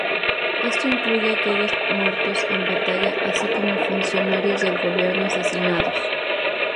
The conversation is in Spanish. Esto incluye a aquellos muertos en batalla así como funcionarios del gobierno asesinados.